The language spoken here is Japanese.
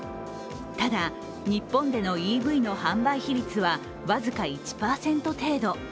ただ、日本でのＥＶの販売比率は僅か１％程度。